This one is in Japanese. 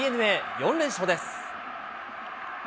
４連勝です。